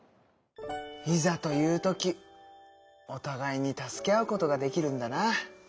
いざという時おたがいに助け合うことができるんだな。